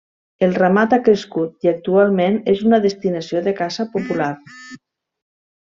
El ramat ha crescut i actualment és una destinació de caça popular.